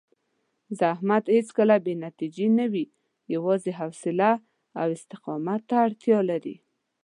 زحمت هېڅکله بې نتیجې نه وي، یوازې حوصله او استقامت ته اړتیا لري.